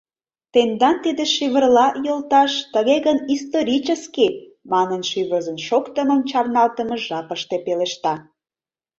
— Тендан тиде шӱвырла, йолташ, тыге гын, исторический! — манын, шӱвырзын шоктымым чарналтымыж жапыште пелешта.